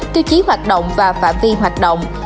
tiêu chí hoạt động và phạm vi hoạt động